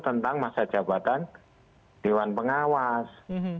tentang masa jabatan dewan pengawas